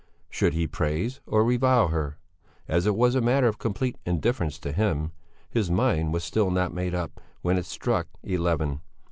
Should he praise or revile her? As it was a matter of complete indifference to him, his mind was still not made up when it struck eleven.